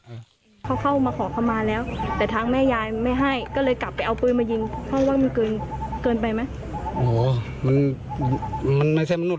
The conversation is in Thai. เขาเข้ามาขอขมาแล้วแต่ทางแม่ยายไม่ให้